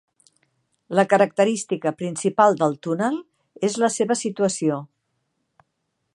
La característica principal del túnel és la seva situació.